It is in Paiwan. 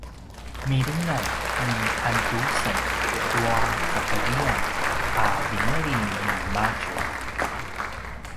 “milingan ni Andusen tua kakedrian” a vineli nimadju